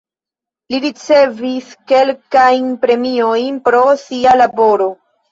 Li ricevis kelkajn premiojn pro sia laboro.